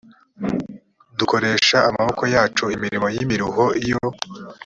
dukoresha amaboko yacu imirimo y imiruho iyo